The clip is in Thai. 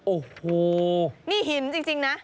โอ้โหนี่หินจริงนะ